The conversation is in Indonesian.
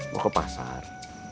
mau ke pasar